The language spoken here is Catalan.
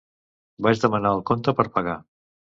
Vaig demanar el compte per pagar.